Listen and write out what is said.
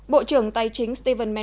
bộ trưởng tài chính stephen mann